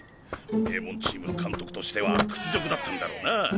名門チームの監督としては屈辱だったんだろうな。